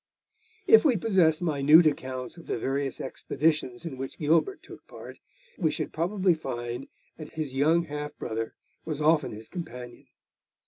If we possessed minute accounts of the various expeditions in which Gilbert took part, we should probably find that his young half brother was often his companion.